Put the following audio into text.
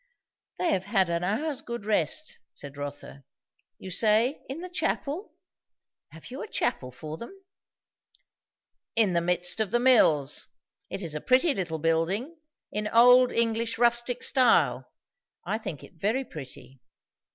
"They have had an hour's good rest," said Rotha. "You say, in the chapel? have you a chapel for them?" "In the midst of the mills. It is a pretty little building in old English rustic style; I think it very pretty."